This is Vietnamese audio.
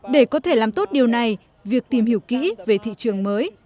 để có thể làm tốt điều này việc tìm hiểu kỹ về thị trường mới